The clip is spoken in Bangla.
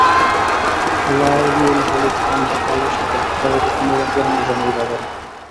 লাল, নীল, হলুদ, কমলা, কালো, সাদা, খয়েরি কোন রঙের মোজা নেই বাজারে।